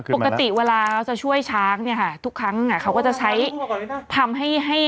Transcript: ปกติเวลาจะช่วยช้างเนี่ยค่ะทุกครั้งเขาก็จะใช้ทำให้ให้